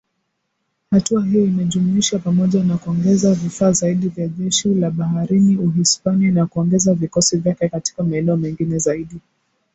Hatua hiyo inajumuisha pamoja na kuongeza vifaa zaidi vya jeshi la baharini Uhispania, na kuongeza vikosi vyake katika maeneo mengine zaidi